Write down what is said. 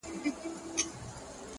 كه ملاقات مو په همدې ورځ وسو،